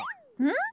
ん？